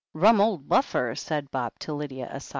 'Rum old buffer," said Bob to Lydia, aside.